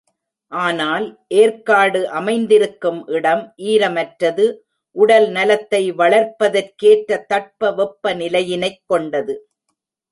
ஆனால் ஏர்க்காடு அமைந்திருக்கும் இடம் ஈரமற்றது உடல் நலத்தை வளர்ப்பதற்கேற்ற தட்ப வெப்ப நிலையினைக் கொண்டது.